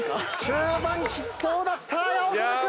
終盤きつそうだった八乙女君。